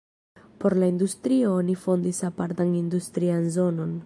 Por la industrio oni fondis apartan industrian zonon.